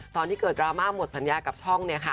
ตอนที่เกิดกรามาท์หมดสัญญากับช่อง